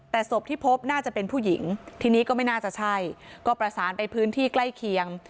แต่ศพที่พบน่าจะเป็นผู้หญิงทีนี้ก็ไม่น่าจะใช่ก็ประสานไปพื้นที่ใกล้เคียง